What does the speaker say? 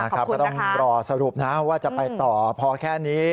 ก็ต้องรอสรุปนะว่าจะไปต่อพอแค่นี้